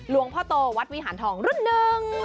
หลวงพ่อโตวัดวิหารทองรุ่นหนึ่ง